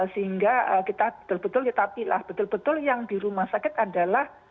sehingga kita betul betul tetapi lah betul betul yang di rumah sakit adalah